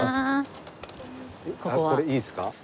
これいいですか？